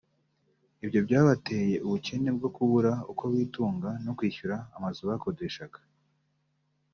Ibyo byabateye ubukene bwo kubura uko bitunga no kwishyura amazu bakodeshaga